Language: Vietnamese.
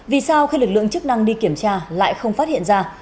vì sao khi lực lượng chức năng đi kiểm tra lại không phát hiện ra